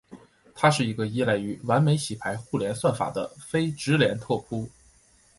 它是一个依赖于完美洗牌互联算法的非直连拓扑。